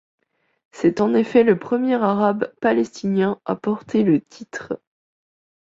C'est en effet le premier Arabe palestinien à porter le titre.